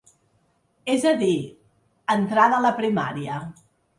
És a dir, entrada la primària.